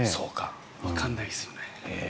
わからないですよね。